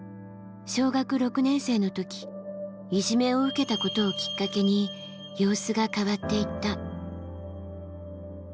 小学６年生のときいじめを受けたことをきっかけに様子が変わっていった。